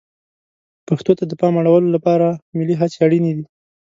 پښتو ته د پام اړولو لپاره ملي هڅې اړینې دي.